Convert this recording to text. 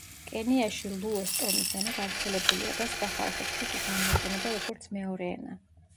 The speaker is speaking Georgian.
კენიაში ლუოს ტომის ენა გავრცელებულია და სხვა ხალხებში იგი გამოიყენება როგორც მეორე ენა.